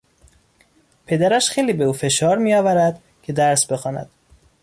پدرش خیلی به او فشار میآورد که درس بخواند.